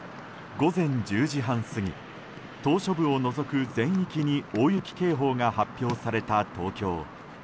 午前１０時半過ぎ島しょ部を除く全域に大雪警報が発表された東京。